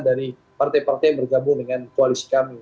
jadi partai partai yang bergabung dengan koalisi kami